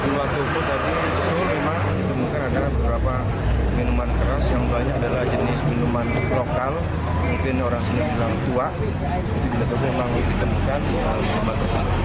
kami temukan ada beberapa minuman keras yang banyak adalah jenis minuman lokal mungkin orang sendiri bilang tua jadi kita memang ditemukan yang harus dibatasi